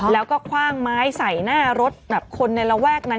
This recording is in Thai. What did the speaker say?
แล้วก็คว่างไม้ใส่หน้ารถแบบคนในระแวกนั้น